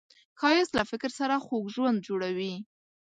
ښایست له فکر سره خوږ ژوند جوړوي